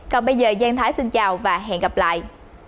còn bây giờ giang thái xin chào và hẹn gặp lại